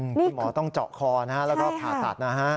คุณหมอต้องเจาะคอนะฮะแล้วก็ผ่าตัดนะฮะ